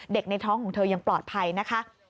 ในท้องของเธอยังปลอดภัยนะคะ